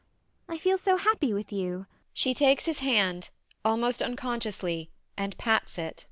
I feel so happy with you. [She takes his hand, almost unconsciously, and pats it].